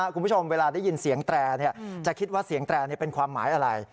คุณผู้ชมเวลาได้ยินเสียงแตรจะคิดว่าเสียงแตรเป็นความหมายอะไร